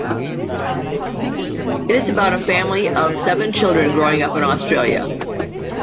It is about a family of seven children growing up in Australia.